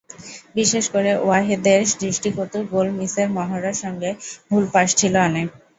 বিশেষ করে ওয়াহেদের দৃষ্টিকটু গোল মিসের মহড়ার সঙ্গে ভুল পাস ছিল অনেক।